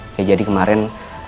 ya jadi kemarin